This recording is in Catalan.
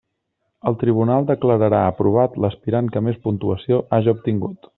El tribunal declararà aprovat l'aspirant que més puntuació haja obtingut.